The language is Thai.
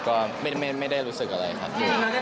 ก็ไม่ได้รู้สึกอะไรครับ